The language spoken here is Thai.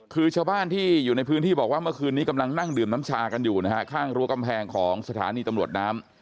คือชาวบ้านที่อยู่ในพื้นที่บอกว่าเมื่อคืนนี้กำลังนั่งดื่มน้ำชากันอยู่นะฮะข้างรั้วกำแพงของสถานีตำรวจน้ำ